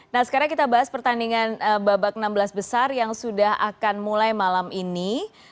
nah sekarang kita bahas pertandingan babak enam belas besar yang sudah akan mulai malam ini